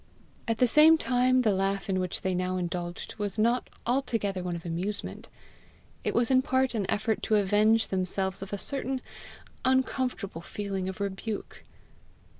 At the same time the laugh in which they now indulged was not altogether one of amusement; it was in part an effort to avenge themselves of a certain uncomfortable feeling of rebuke.